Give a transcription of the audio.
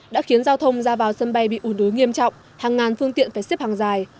đã khiến giao thông ra vào sân bay bị ủ đối nghiêm trọng hàng ngàn phương tiện phải xếp hàng dài